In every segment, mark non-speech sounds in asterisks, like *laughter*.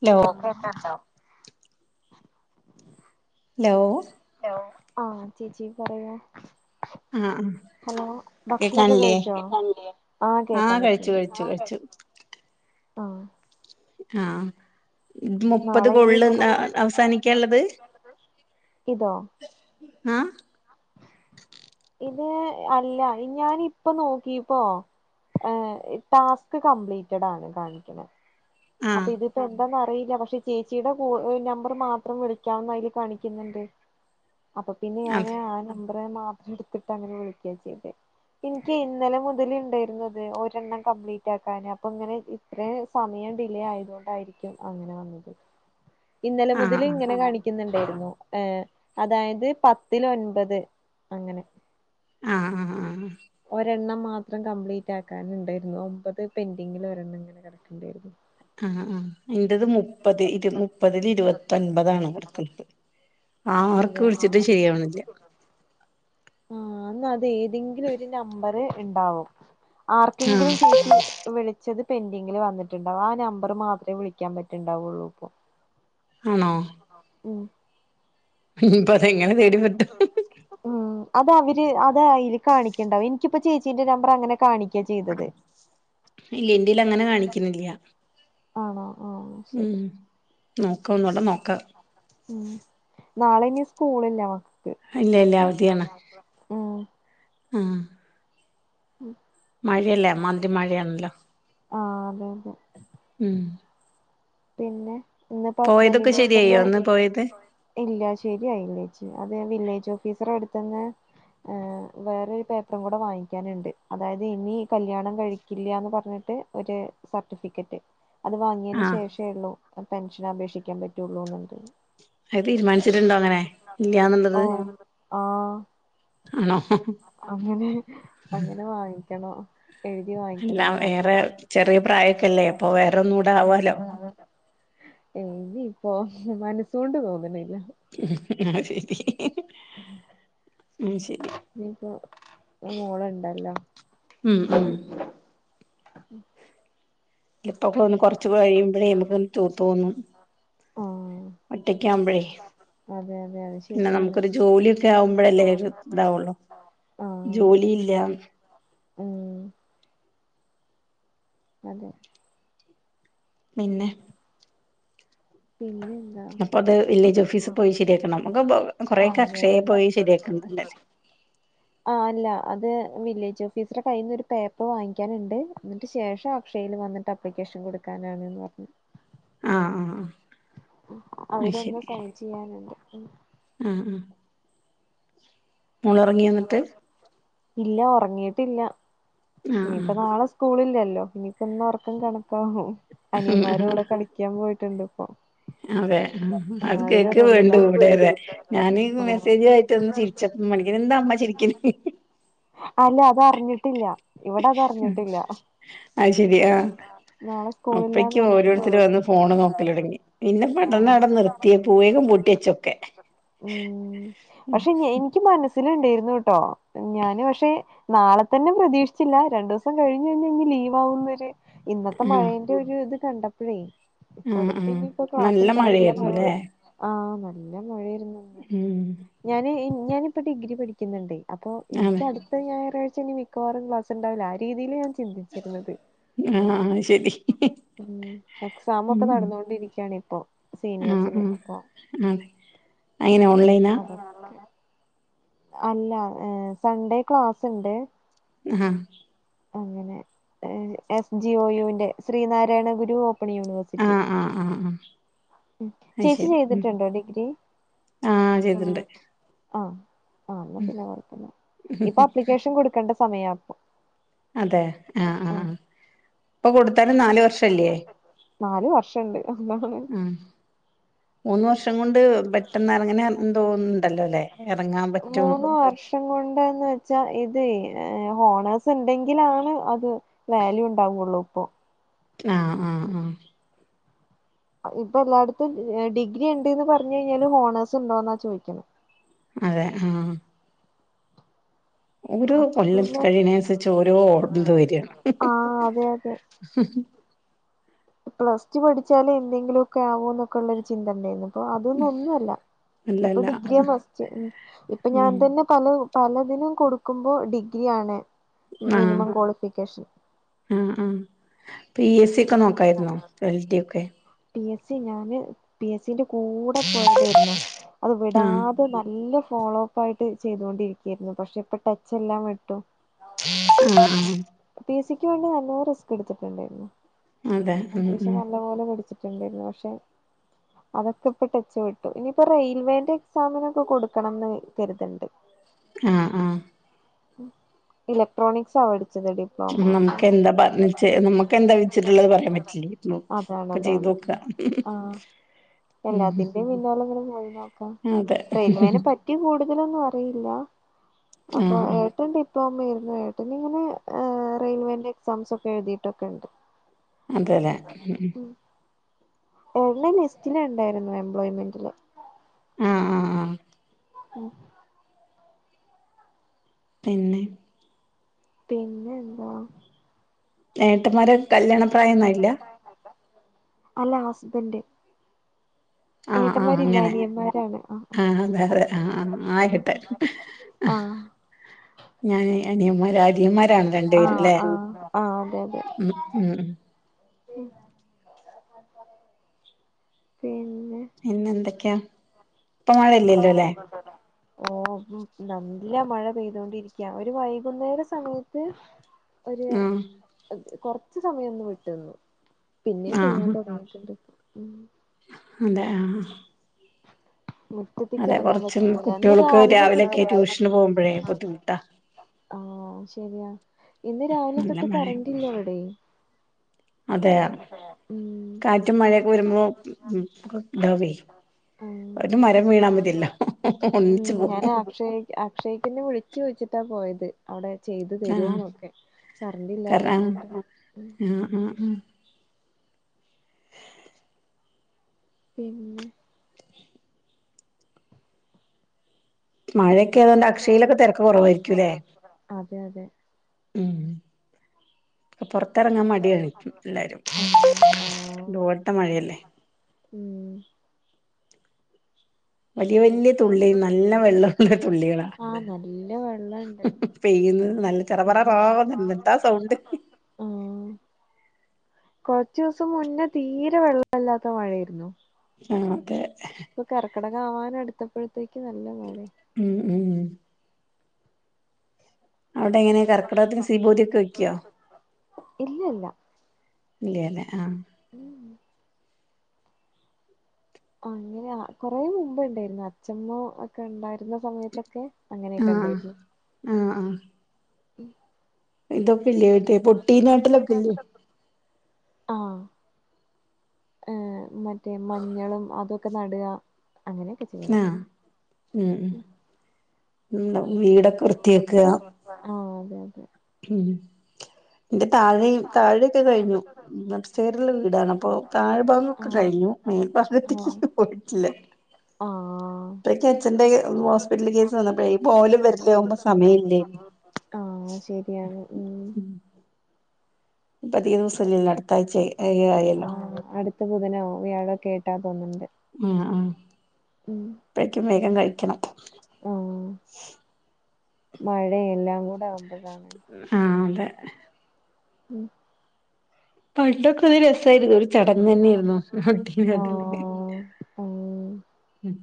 Hello പ എക്കാണ്ടാവും *unintelligible* hello hello ആ ചേച്ചി പറയു ആഹ ആഹ ഹലോ ഭക്ഷണൊക്കെ കഴിച്ചോ ആഹ കേക്കാൻ ആഹ് കഴിച്ചു പറ്റ്ണ്ട് കഴിച്ചു കഴിച്ചു ആഹ് ആ മുപ്പത് നാളെ ഇനി സ്കൂ കൊള്ന്നാ അവസാനിക്കാനുള്ളത് ഇതോ ആഹ ഇത് അല്ല ഞാന് ഇപ്പോ നോക്കിപ്പോ ഏഹ് ടാസ്ക് കംപ്ലീറ്റഡ് ആണ് കാണിക്കണ അപ്പൊ ആഹ് ഇതിപ്പോ എന്താന്ന് അറിയില്ല പക്ഷെ ചേച്ചിയുടെ കൂ നമ്പർ മാത്രം വിളിക്കാന്ന് അതില് കാണിക്കുന്നുണ്ട് അപ്പൊ പിന്നെ ഞാന് അതെ ആ നമ്പർ മാത്രം എടുത്തിട്ട് അങ്ങനെ വിളിക്കാ ചെയ്തേ എനിക്ക് ഇന്നലെ മുതലേ ഉണ്ടായിരുന്നത് ഒരെണ്ണം കംപ്ലീറ്റ് ആക്കാന് അപ്പൊ ഇങ്ങനെ ഇത്ര സമയം ഉണ്ട് ആയത് കൊണ്ടരിക്കും അങ്ങനെ വന്നത് ഇന്നലെ ആഹ് മുതൽ ഇങ്ങനെ കാണക്കു ഇന്ന്ണ്ടായിരുന്നു ഏഹ അതായത് പത്തിൽ ഒൻപത് അങ്ങനെ ആഹ ആഹ ആഹ ഒരെണ്ണം മാത്രം കംപ്ലീറ്റ് ആക്കാനു ഉണ്ടായിരുന്നു ഒമ്പത് പെന്റിങ്ങിൽ ഒരെണ്ണം ഇങ്ങനെ കിടക്കുണ്ടായിരുന്നു ആഹ ആഹ എന്റത് മുപ്പത് ഇരു മുപ്പതില് ഇരുപത്തൊൻപത ആണ് കൊടുക്കുന്നത് ആർക്ക് വിളിച്ചിട്ട് ശരിയാവണില്ല ആഹ എന്ന അത് ഏതെങ്കിലും ഒരു നമ്പർ ഇണ്ടാവും ആർക്കെങ്കിലും ആഹ് *inaudible* ചേച്ചി വിളി ച്ചത് പെന്ഡിങ്ങില് വന്നിട്ടുണ്ടാവും ആ നമ്പർ മാത്രമേ വിളികാൻ പറ്റുണ്ടാവുള്ളൂ ഇപ്പൊ ആണോ ഉം ‌ ഇനിയിപ്പോ അതെങ്ങനെ തേടി വരട്ടെ ഉം അത് അവര് അത അല് കാണിക്കണ്ടാവും എനിക്കിപ്പോ ചേച്ചീന്റെ നമ്പർ അങ്ങനെ കാണിക്ക *unintelligible* ചെയ്തത് ഇല്ല ഇന്റല് അങ്ങനെ കാണിക്കിണില്ല ആണോ ആഹ് ഉം ശരി നോക്കുകന്നൂടെ നോക്കാം ഉം നാളെ ഇനി സ്കൂളില്ല ഇല്ല ഇല്ല അവധിയാണ് ഉം ആഹ *inaudible* മഴയല്ലേ മന്തി മഴയാണല്ലോ ആഹ അതെ അതെ ഉം പിന്നെ ഇന്നിപ്പോ പോയതൊക്കെ ഹസ്ബൻഡിന്റെ വീട്ടിന്ന് ശരിയോ അന്ന്പോയത് ഇല്ല ശരിയായില്ലേച്ചി അത് വില്ലേജ് ഓഫീസർ അടുത്തന്ന് വേറൊരു പേപ്പറും കൂടെ വാങ്ങിക്കാനുണ്ട് അതായത് ഇനി കല്ല്യാണം കഴിക്കില്ലന്ന് പറഞ്ഞിട്ട് ഒരു സർട്ടിഫിക്കറ്റ് അത് വാങ്ങിയന് ആഹ് ശേഷേ ഉള്ളൂ പെൻഷൻ അപേക്ഷിക്കാൻ പറ്റുള്ളൂ എന്നുണ്ട് അത് തീരുമാനിച്ചിട്ടുണ്ടോ അങ്ങനെ ഓ ഇല്ലന്നുള്ളത് ആഹ് ആണോ അങ്ങനെ അങ്ങനെ വാങ്ങിക്കണോ എഴുതി വാങ്ങ അല്ല വേറെ ചെറിയ പ്രായക്കല്ലേ അപ്പൊ വേറൊന്നും കൂടെ ആവാാലോ ഇനിയിപ്പോ മനസോണ്ട് തോന്നണില്ല ആഹ് ശരി ഉം ശരി ഇനിയിപ്പോ മോള്ണ്ടല്ലോ ഉം ഉം ഇപ്പൊക്ക ഒന്ന് കൊറച്ച് കഴിയുമ്പോഴേ നമക്ക് തൂത്തോന്നു ആഹ് ഒറ്റക്ക് ആവുമ്പഴേ അതെ അതെ അത് പിന്നെ ശരിയാണ് നമുക്കൊരു ജോലിയൊക്കെ ആവുമ്പോഴല്ലേ ഇതാവുള്ളു ആഹ് ജോലിയില്ല ഉം അതെ പിന്നെ പിന്നെ അപ്പൊ അത് വില്ലേജ് ഓഫീസി പോയി ശരിയാക്കണം നമ്മക്ക് ആഹ് കൊറെേക്കെ അതെ അക്ഷയെ അതെ പോയി ശരിയാക്കണണ്ടല്ലല്ലേ *inaudible* ആഹ് അല്ല അത് വില്ലേജ് ഓഫീസറ കയ്യിൽ നിന്ന് ഒരു പേപ്പർ വാങ്ങിക്കാനുണ്ട് എന്നിട്ട് ശേഷം അക്ഷയിൽ വന്നിട്ട് അ ആപ്ലിക്കേഷൻ കൊടുക്കാനാണ് പറഞ്ഞു ആഹ് ആഹ് അത് അവരൊന്ന് സൈൻ ചെയ്യാനുണ്ട് ഉം ആഹ്‌ ആഹ്‌ മോളുറങ്ങിയോ എന്നിട്ട് ഇല്ല ഉറങ്ങിയിട്ടില്ല ആഹ് ഇനിപ്പ നാളെ സ്കൂളില്ലല്ലോ ഇനിപ്പം ഇന്ന് ഉറക്കം കണക്കാവും അനിയന്മാരുടെ ആഹ് കൂടെ കളി കളിക്കാൻ പോയിട്ടുണ്ട് ഇപ്പൊ അതെ ആഹ് ആഹ് അത് അവര് കേക്കേ റൂമിലാ വേണ്ടു ഇവിടെതെ ഞാനീ ആഹ് മെസ്സേജ് ആയിട്ടൊന്ന് ചിരി ച്ചപ്പ മണിക്കന് എന്താ അമ്മ ചിരിക്ക്ന്നെ അല്ല അതറിഞ്ഞിട്ടില്ല ഇവിടെ അതറിഞ്ഞിട്ടില്ല അത് ശെരി ആഹ് നാളെ സ്കൂളില്ലാന്ന് അപ്പഴെക്കും അറിയില്ല ഓരോരുത്തര് വന്ന് ഫോണ് നോക്കലൊടങ്ങി പിന്നെ പെട്ടെന്ന് ആഹ് നടന്ന് നിർത്തിയേ പൂവേകും പൂട്ടി വെച്ചൊക്കെ ഉം പക്ഷെ എനിക്ക് മനസ്സിലുണ്ടേരുന്നുട്ടോ ഞാന് പക്ഷെ നാളെ തന്നെ പ്രതീക്ഷിച്ചില്ല രണ്ടു ദിവസം കഴിഞ്ഞ്ഞ്ഞ് ലീവാകുന്നൊര് ഇന്നത്തെ ആഹ് മഴേന്റെ ഒരു ഇത് കണ്ടപ്പഴേ ആഹ് അടുത്ത് ആഹ് ഇനിപ്പ നല്ല ക്ലാസ്ണ്ടാവില്ലല്ലോ മഴയായിരുന്നുല്ലേ ആഹ് നല്ല മഴേര്ന്ന് ഉം ഞാനെ ഞാനിപ്പ ഡിഗ്രി പഠിക്കുന്നുണ്ടേ അപ്പൊ അതെ എനിക്കടു അടുത്ത ഞായറാഴ്ച ഇനി മിക്കവാറും ക്ലാസുണ്ടാവില്ല ആ രീതിയില് ഞാൻ ചിന്തിച്ചിരുന്നത് ആഹ് ആഹ് ശരി ഉം എക്സാമൊക്കെ ഉം നടന്നൊണ്ടിരിക്യാണ് ഇപ്പൊ സീനിയേഴസിന് അപ്പൊ ഉം എങ്ങനാ ഓൺലൈനാ *unintelligible* അല്ല ഏഹ് സൺഡേ ക്ലാസ്സ് ഇണ്ട് ആഹ് അങ്ങനെ ഏഹ് എസ് ജി ഒ യു ന്റെ ശ്രീനാരായണ ഗുരു ഓപ്പൺ യൂണിവേഴ്സ് ആഹ് ആഹ് ആഹ് ആഹ് ഉം അത് ചേച്ചി ശരി ഉം ചെയ്തിട്ടുണ്ടോ ഡിഗ്രി ആഹ് ചെയ്തിണ്ട് ആഹ് ആഹ് എന്ന പിന്നെ കൊഴപ്പില്ല ഇപ്പൊ ആപ്ലിക്കേഷൻ കൊടുക്കണ്ട സമയാ ഇപ്പൊ അതെ ആഹ് ആഹ് ആഹ് ഇപ്പൊ കൊടുത്താലും നാല് വർഷം ഇല്ലേ നാല് വർഷണ്ട് അതാണ് ഉം മൂന്ന് വർഷം കൊണ്ട് പെട്ടെന്ന് എറങ്ങന എന്തോഒന്ന് ഇണ്ടല്ലോല്ലേ എറങ്ങാം മൂന്ന് വർഷ് കൊണ്ടെന്ന് വെച്ചാ ഇതയ് ഏഹ് ഹോണേഴ്സ് ഇണ്ടെങ്കിലാണ് അത് വാല്യൂ ഉണ്ടാവൊള്ളൂ പ്പൊ ആഹ് ആഹ് ആഹ് ഇപ്പ എല്ലാട്ത്തും ഏഹ് ഡിഗ്രി ഇണ്ട്ന്ന് പറഞ് കയ്ഞ്ഞാല് ഹോണേഴ്സ് ഇണ്ടോന്നാ ചോയിക്ക്ണ് അതെ ആഹ് ഓരോ അപ്പൊ കൊല്ലം പിന്നെ കഴിണേസരിച്ച് ഓരോ ഓ ന്ത്‌ വരാണ് ആ അതെ അതെ പ്ലസ് റ്റു പഠിച്ചാലേ എന്തെങ്കിലൊക്കെ ആവൂ ന്നൊക്ക ഇള്ളൊരു ചിന്ത ഇണ്ടേര്നു ഇപ്പൊ അത് ഒന്നും ഒന്നുല്ല ഇപ്പൊ അല്ലല്ല ഡിഗ്രിയ മസ്റ്റ് ഉം ഇപ്പ ഞാൻ ഉം തന്നെ പല പലതിനും കൊടുക്കുമ്പോ ഡിഗ്രി യാൺ മിനിമം ക്വാളിഫിക്കേഷൻ ഉം ഉം പി എസ്സി ഒക്കെ നോക്കാര്‌ന്നോ എൽ ഡി ഒക്കെ പി എസ്സി ഞാന് പി എസ്റ്റി ന്റെ കൂട പോയതേര്ന്നു അത് ആഹ് വിടാതെ നല്ല ഫോളോ പ്പായിട്ട് ചെയ്തോണ്ടിരിക്യാര്ന്നു പക്ഷെ ഇപ്പ ടച്ച് എല്ലാം വിട്ടു ആഹ് ആഹ് പി എസ്സി ക്ക്‌ വേണ്ടി നല്ലോ റിസ്ക് ഇട്ത്ത്ട്ട് ഇണ്ടേര്ന്നു അതെ ഉം അത്യാവശ്യം ഉം നല്ല പൊലേ പഠിച്ചി ട്ടുണ്ടാര്ന്നു പക്ഷെ അതൊക്ക ഇപ്പ ടച്ച് വിട്ടു ഇനിയിപ്പോ റെയിൽവേന്റെ എക്സാമിനൊക്കെ കൊടുക്കണംന്ന് വി കര്ത്ണ്ട് ആഹ് ആഹ് ഉം ഇലക്ട്രോണിക്സാ പഠിച്ച തെടി നമ്ക്ക് എന്താ പറ ന്ന്ച്ച് നമ്മക്കെന്താ വിദ്ച്ച് ട്ട്ള്ളത് പറയാപറ്റില്ല ഒക്ക ചെയ്തോ ആഹ് ഉം എല്ലാത്തിന്റിം പിന്നാല ഇങ്ങനെ പോയി നോ ക്കാ അതെ റെയിൽവേന പറ്റി കൂടുതലൊന്നും അറിയില്ല അപ്പൊ ആഹ് ഏട്ടൻ ടി ഇപ്പമ്മ ഇരുന്ന് ഏട്ടൻ ഇങ്ങനെ റെയിൽവേന്റെ എക്സാംസൊക്കെ എഴുതീട്ട് ഒക്ക ഇണ്ട് അതല്ലേ ഉം ഉം ഏ *unintelligible* ലിസ്റ്റില് ഇണ്ടാര്ന്നു എംപ്ലോയ്മെന്റില് ആഹ് ആഹ് ആഹ് പിന്നെ പിന്നെന്താ ഏട്ടമ്മാര് കല്ല്യാണ പ്രായം ഒന്നും ആയിട്ട്ല്ലാ അല്ല ഹസ്ബൻഡ് ആഹ് ആഹ് ഏട്ടന്മാരില്ല അങ്ങനെ അനിയന്മാരാണ് ആ ആഹ് അതെ അതെ ആഹ് ആഹ് ആയിഹട്ടെ ആ ഞാൻ അനിയന്മാരാ അരിയന്മാരാണ് ആഹ് രണ്ടേരുല്ലേ ആഹ് ആഹ് അതെ അതെ ഉം ഉം പിന്നെ പിന്നെന്തക്കെയാ ആഹ് ആയ്ക്കോട്ടലേ ഓഹ് നല്ല മഴ പെയ്തോണ്ടിരിക്കാ ഒരു വൈകുന്നേര സമയത്ത് ഒര് ആഹ് കൊറച്ച് സമയഒന്ന് വിട്ട്ന്നു പിന്നിം പെയ്യാം ആഹ് തൊടങ്ങിട്ട്ണ്ട് ഉം അതെ ആഹ് മ് മുറ്റത്ത്ക്ക് അതെ എറങ്ങാ കൊറച്ച് പറ്റ്ണില്ല ഇന്ന് കുട്ടികൾക്ക് രാവിലെ രാവിലെയൊക്കെ തോട്ട് ട്യൂഷന് പോകുമ്പോഴേ ബുദ്ധിമുട്ടാ ആഹ് ശരിയാ ഇന്ന് രാവിലെ നല്ല തൊട്ട് മഴ കറന്റ് ഇല്ല ഇവടെയ് അതെയ കാറ്റുംമഴയൊക്കെ വരുമ്പോ ഇണ്ടാവൈ ആഹ് ഒര് മരം വീണാ മതിയല്ലോ ഒന്നിച്ച് പോ അക്ഷയ്ക്ക് ഇന്ന് വിളിച്ചു ചോയിച്ചിട്ടാ പോയത്. അവിടെ ചെയ്തു ആഹ് തരുവന്നൊക്കെ കറന്റ് ഇല്ലാത്തയ്ന കാരണം കൊണ്ട്. ആഹ് ആഹ് ആഹ് പിന്നെ. മഴയൊക്കെ അയത് കൊണ്ട് അക്ഷയിലൊക്കെ തിരക്ക് കുറവായിരിക്കൂല്ലേ? അതെ അതെ. ഉം അപ്പ പുറത്തിറങ്ങാൻ മടികണിക്കും എല്ലാരും ആഹ് ഡോട്ട മഴയല്ലേ? ഉം വലിയ അതെ വലിയ തുള്ളി നല്ല വെള്ളമുള്ള തുള്ളികളാ ആഹ് നല്ല വെള്ളമുണ്ട്. പെയ്യുന്നത് നല്ല ചറ പറററാ ന്നുണ്ട്എന്താ സൗണ്ട് ആഹ്. കുറച്ചു ദിവസം മുന്നേ തീരെ വെള്ളയില്ലാത്ത മഴായിരുന്നു. ആഹ് അതെ. ഇപ്പൊ കറക്കിടക ആവാൻ അടുത്തപ്പോഴത്തേക്ക് നല്ല മഴ. ഉം ഉം ഉം അവിടെ എങ്ങനെയ കർക്കിടകത്തിന് സീബോതിഒക്കെ വെക്കോ? ഇല്ല ഇല്ല ഇല്ലേല്ലേ ആഹ്. ഉം ആ അങ്ങനെ കൊറെ മുമ്പ് ഇണ്ടായിരുന്നു അച്മ്മ. ഒക്കെ ഉണ്ടായിരുന്ന സമയത്തൊക്കെ അങ്ങനെയൊക്കെ ആഹ് ഉണ്ടായിരുന്നു. ആഹ് ആഹ്. ഉം ഇതൊക്കെ ഇല്ലെ മറ്റേ പൊട്ടി നാട്ടിലൊക്കെ ഇല്ലേ? ആഹ് ഏഹ് മ മറ്റേ മഞ്ഞളും അതൊക്കെ നട അങ്ങനെയൊക്കെ. ചെയ്യലൊക്കെ ആഹ് ഉണ്ട് ഉം നമ്മുടെ വീടൊക്കെ വൃത്തിയക്ക. ഉം അതെ അതെ *unintelligible* ഉം എന്റെ താഴെയും താഴെയൊക്കെ കഴിഞ്ഞു അപ് സ്റ്റേറുള്ള വീടാണ് അപ്പൊ താഴ്ഭാഗം ഒക്കെ ആഹ് കഴിഞ്ഞു മേൽഭാഗത്തേക്ക് ആഹ് പോയിട്ടില്ല ആഹ് അപ്പഴേക്ക അച്ഛന്റെ ഹോസ്പിറ്റൽ കേസ് വ ന്നപ്പോ ഈ പോലും വരലും ഒന്നും സമയി ല്ലേ ആഹ് ശെരിയാണ് ഉം ഇപ്പൊ അതിക ദിവസംല്ലല്ലോ അടു ത്താഴ്‌ ചായി ആയല്ലോ ആ അടുത്ത ബുധനോ വ്യാഴോക്കെ ആയിട്ടാ തോന്ന്ണ്ട് ഉം പ്പഴേക്കും വേഗം കഴിക്കണം ആഹ് മഴ എല്ലാം കൂടെ ആവുമ്പോഴാണ് ആഹ് അതെ ഉം പണ്ടൊക്കെ ഒരു രസായിരുന്നു ഒരു ചടങ്ങ് തന്നെയായിരുന്നു പൊട്ടിനെ ആട്ടല് ആഹ് ആഹ് ഉം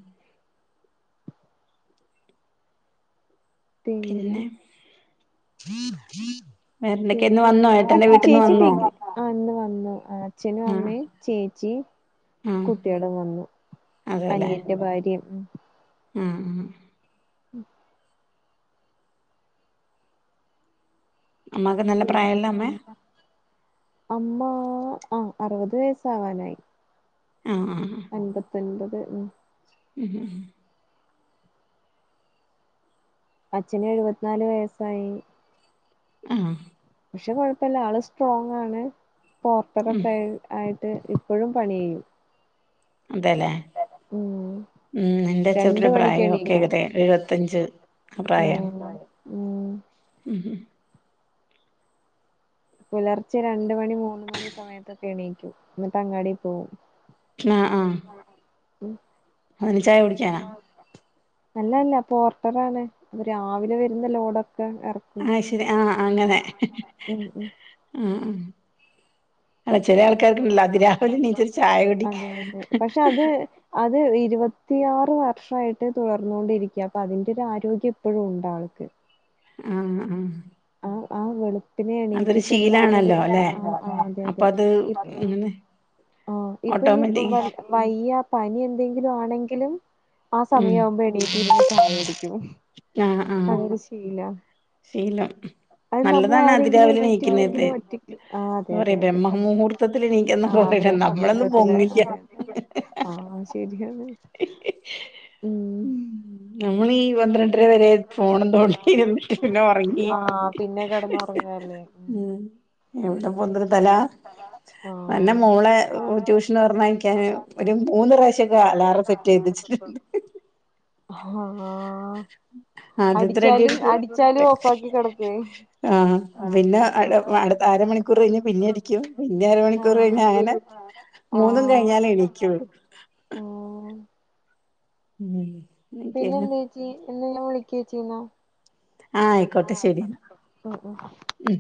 പിന്നെ? വേറെന്തൊക്കെ പിന്നെ ഇന്ന് വന്നോ ഏട്ടന്റെ എ വീട്ടിന്ന് ചേച്ചിേ വന്നോ ഡിഗ്രി അ ഇന്ന് വന്നു അച്ഛനും ആഹ് അമ്മയും ചേച്ചിം ആഹ് കുട്ടികളും വന്നു അനിയന്റെ ഭാര്യേം ഉം ഉം അമ്മക്കെ നല്ല പ്രായള്ള മ്മെ? പിന്നെ അമ്മ ആ അറുപത് വയസാവാനായി ആഹ ആഹ് അമ്പത്തൊൻപത് ഉം ഉം ഹ് ഹ് അച്ഛന് എഴുപത് നാല് വയസ്സായി. ആഹ് പക്ഷെ കുഴപ്പല്ല ആള് സ്ട്രോങാണ്. ഉം പോർട്ടറൊക്കെ ആയി ആയിട്ട് ഇപ്പഴും പണി ചെയ്യും. അതെല്ലേ ഉം ഉം എന്റെ രണ്ട് അച്ചൂട്ടന്റെ മണിക്ക് പ്രായം ഒക്കെ എണീക്കും തെ എഴുപത്തഞ്ച് ആ പ്രായാണ് ഉം ഉം ഉം ഹും പുലർച്ചെ രണ്ട് മണി മൂന്ന് മണി സമയത്തൊക്കെ എണീക്കും ഇന്നട്ട് അങ്ങാടി പോവും ആഹ് ആഹ് ഉം അന്തിന്, ചായ കുടിക്കാനാ? അല്ലല്ല പോർട്ടറാണ്. അപ്പ രാവിലെ വരുന്ന ലോഡൊക്കെ എറ അഹ് ശരി ആഹ് അങ്ങനെ. ഉം ഉം ആഹ് ആഹ് അല്ല ചെലേ ആൾക്കാർക്ക്ണ്ടല്ലോ അതി രാവിലെ ണീച്ചൊരു ചായ കുടി അതെ അതെ പക്ഷെ അത് അത് ഇരുപത്തിയാറ് വർഷായിട്ട് തുടർന്നുകൊണ്ടിരിക്യാ അപ്പൊ അതിൻ്റൊരു ആരോഗ്യം ഇപ്പഴും ഉണ്ട് ആൾക്ക് ആഹ് ആഹ് ആ ആ വെളു പ്പിനെ അതൊരു എണീറ്റിട്ട്ള്ള ആ ഒരു ശീലാണല്ലോ അല്ലെ ആഹ് ആഹ് അപ്പൊ അതെയതെ അത് ഇപ്പൊ അങ്ങനെ ആഹ് ഇപ്പ ഇനി പ ഓട്ടോമാറ്റിക് വല്ല വയ്യ പനി എന്തെങ്കിലും ആണെങ്കിലും ആ ഉം സമയാവുമ്പോ എണീ *unintelligible* ചായ കുടിക്കും ആഹ് അ ആഹ് ഒരു ശീലവാ ശീലം നല്ലതാണ് അതി ആരെങ്കിലും രാവിലെ ണീക്കുന്നത്. എണീറ്റില്ലെങ്കിലും ഒറ്റക്ക് ആ അതെ ഞാൻ അതെ പറയട്ടെ അതെ ബ്രഹ്മ മുഹൂർ ത്തത്തില് ആ എണീക്കാന്നൊക്കെ പറയില്ലെ. നമ്മളൊന്നും ബ്രഹ്മമുഹൂർത്തത്തില് പൊങ്ങില്ല അതെ അതെ ആ ശരിയാണ് ഉം നമ്മളീ പന്ത്രണ്ടര വരെ ഫോണും തോണ്ടി ഇരുന്നിട്ട് പിന്നെ ഒറങ്ങി ആ പിന്നെ കിടന്നുറങ്ങല്ലേ ഉം എവ്ടെ പൊന്ത് ണ് തല. ആ പിന്നെ മോളെ ട്യൂഷൻ പറഞ്ഞയക്കാൻ ഒരു മൂന്ന് പ്രാവശ്യോക്കെ അലാറം സെറ്റ് ചെയ്ത ച്ചിട്ട്ണ്ട് അഹ ആഹ് ഉം അടിച്ചാലും അടിച്ചാലും ഓഫാക്കി ക്കെടക്ക്‌വേയ് ആഹ് പിന്നെ അ അടുത്ത അരമണി ക്കൂർ കഴിഞ്ഞ് പിന്നെ അടിക്കും പിന്നിം അര ആ മണിക്കൂർ കഴിഞ്ഞ് അങ്ങനെ ആ മൂന്നും കഴിഞ്ഞാലെ എണിക്ക്യൊള്ളു ആ ഉം പിന്നെ എനിക്കന്നെ എന്തേച്ചി എന്ന ഞാന് വിളിക്കേച്ചീന്നാ ആഹ് ആയിക്കോട്ടെ ശരി ന്നാ മ്